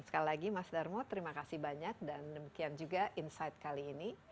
sekali lagi mas darmo terima kasih banyak dan demikian juga insight kali ini